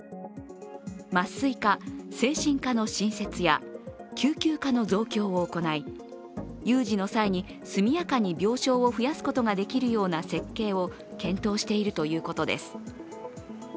麻酔科、精神科の新設や救急科の増強を行い有事の際に速やかに病床を増やすことができるような設計を検討しているということです。